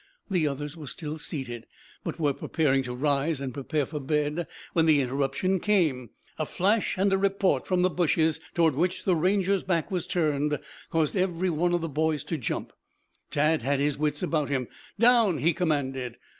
The others were still seated, but were preparing to rise and prepare for bed when the interruption came. A flash and a report from the bushes toward which the Ranger's back was turned caused every one of the boys to jump. Tad had his wits about him. "Down!" he commanded.